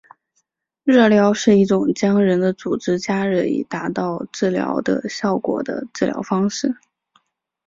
热疗是一种将人的组织加热以达到治疗的效果的治疗方式。